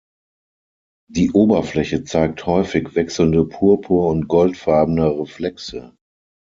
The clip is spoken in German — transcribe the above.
Die Oberfläche zeigt häufig wechselnde purpur- und goldfarbene Reflexe.